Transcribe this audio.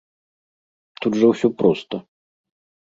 Тут жа ўсё проста.